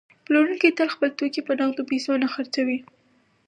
پلورونکی تل خپل توکي په نغدو پیسو نه خرڅوي